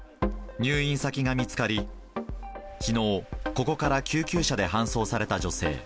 入院先が見つかり、きのう、ここから救急車で搬送された女性。